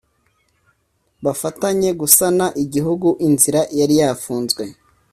bafatanye gusana igihugu inzira yari yafunzwe